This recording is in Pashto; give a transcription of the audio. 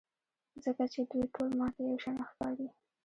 ځکه چې دوی ټول ماته یوشان ښکاري.